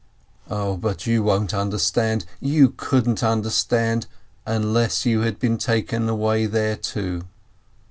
0, but you won't understand, you couldn't understand, unless you had been taken away there, too!